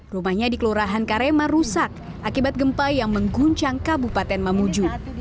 rumahnya di kelurahan karema rusak akibat gempa yang mengguncang kabupaten mamuju